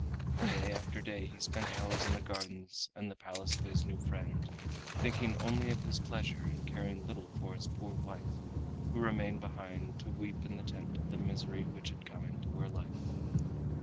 Day after day he spent hours in the gardens and the Palace of his new friend, thinking only of his pleasure, and caring little for his poor wife who remained behind to weep in the tent at the misery which had come into her life.